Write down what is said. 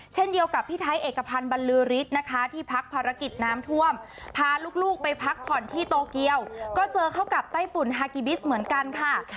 เช่นเดียวกับพี่ไทยเอกพันธ์บรรลือฤทธิ์นะคะที่พักภารกิจน้ำท่วมพาลูกไปพักผ่อนที่โตเกียวก็เจอเข้ากับไต้ฝุ่นฮากิบิสเหมือนกันค่ะ